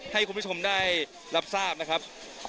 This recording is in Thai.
ให้คุณผู้ชมได้รับทราบนะครับ